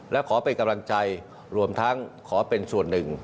และขอเป็นกำลังใจรวมทั้งขอเป็นส่วนหนึ่ง